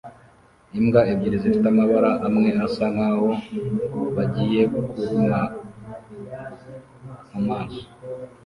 Imbwa ebyiri zifite amabara amwe asa nkaho bagiye kuruma mumaso